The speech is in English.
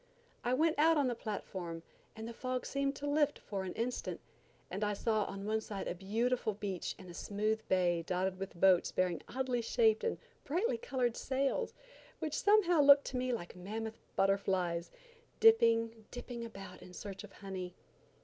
I went out on the platform, and the fog seemed to lift for an instant, and I saw on one side a beautiful beach and a smooth bay dotted with boats bearing oddly shaped and brightly colored sails, which somehow looked to me like mammoth butterflies, dipping, dipping about in search of honey.